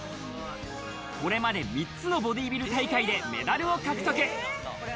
これまで３つのボディービル大会でメダルを獲得。